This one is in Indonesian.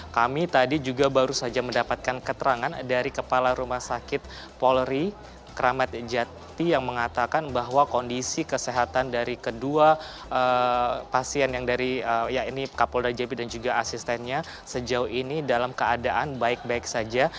kami tadi juga baru saja mendapatkan keterangan dari kepala rumah sakit polri kramat jati yang mengatakan bahwa kondisi kesehatan dari kedua pasien yang dari ya ini kapolda jati dan juga asistennya sejauh ini dalam keadaan baik baik saja